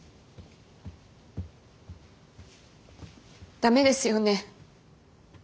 駄目ですよね。